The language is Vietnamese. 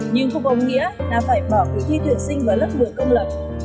nhưng không có nghĩa là phải bỏ người thi trường sinh vào lớp một mươi công lập